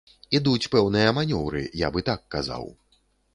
Ідуць пэўныя манёўры, я бы так казаў.